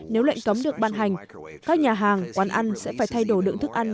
nếu lệnh cấm được ban hành các nhà hàng quán ăn sẽ phải thay đổi lượng thức ăn